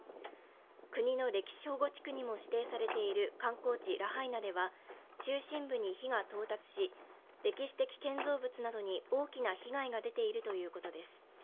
国の歴史保護地区にも指定されている観光地ラハイナでは中心部に火が到達し、歴史的建造物などに大きな被害が出ているということです。